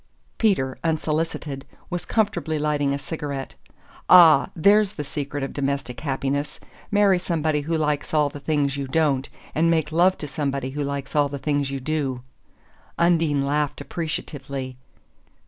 Peter, unsolicited, was comfortably lighting a cigarette. "Ah, there's the secret of domestic happiness. Marry somebody who likes all the things you don't, and make love to somebody who likes all the things you do." Undine laughed appreciatively.